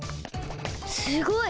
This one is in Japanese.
すごい！